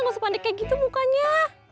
ga sepandek kayak gitu mukanya